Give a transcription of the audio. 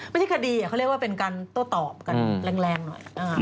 ไม่ใช่คดีเขาเรียกว่าเป็นการโต้ตอบกันแรงหน่อย